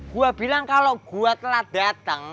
gua bilang kalo gua telah dateng